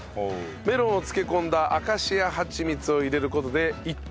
メロンを漬け込んだアカシアはちみつを入れる事で一体感が出ると。